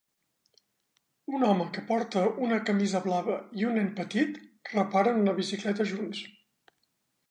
Un home que porta una camisa blava i un nen petit reparen una bicicleta junts.